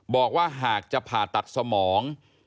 บอกว่าหากจะผ่าตัดสมอง